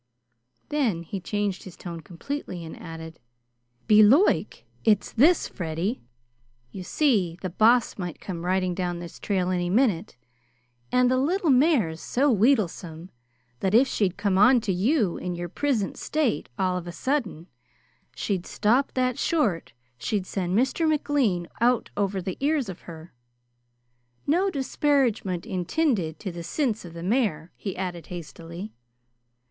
Then he changed his tone completely and added: "Belike it's this, Freddy. You see, the Boss might come riding down this trail any minute, and the little mare's so wheedlesome that if she'd come on to you in your prisint state all of a sudden, she'd stop that short she'd send Mr. McLean out over the ears of her. No disparagement intinded to the sinse of the mare!" he added hastily.